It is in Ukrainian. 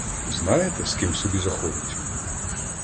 Знаєте, з ким собі заходить?